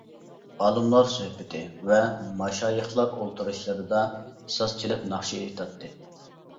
ئالىملار سۆھبىتى ۋە ماشايىخلار ئولتۇرۇشلىرىدا ساز چېلىپ ناخشا ئېيتاتتى.